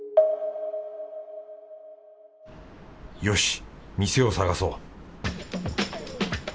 よし店を探そう。